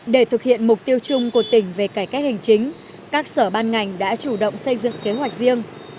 để thực hiện mục tiêu chung của tỉnh về cải cách hành chính các sở ban ngành đã chủ động xây dựng kế hoạch riêng